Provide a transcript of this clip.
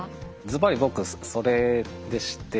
ずばり僕それでして。